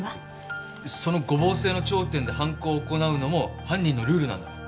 その五芒星の頂点で犯行を行うのも犯人のルールなんだ。